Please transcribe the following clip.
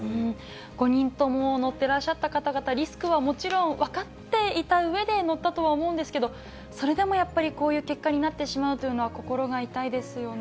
５人とも乗ってらっしゃった方々、リスクはもちろん分かっていたうえで乗ったとは思うんですけど、それでもやっぱり、こういう結果になってしまうというのは心が痛いですよね。